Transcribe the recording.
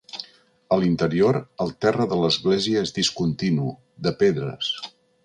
A l'interior, el terra de l'església és discontinu, de pedres.